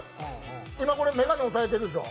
今、これめがね押さえてるでしょ